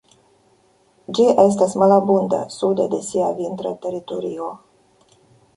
Ĝi estas malabunda sude de sia vintra teritorio.